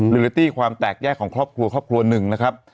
ลิลิตตี้ความแตกแยกของครอบครัวครอบครัวหนึ่งนะครับ